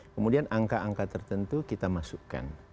kemudian angka angka tertentu kita masukkan